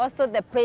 mereka sangat baik